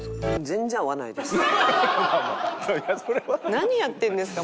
何やってるんですか？